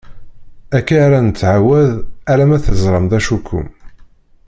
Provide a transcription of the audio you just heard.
Akka ara d-nettɛawad alamma teẓram d acu-kum.